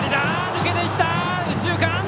抜けていった、右中間！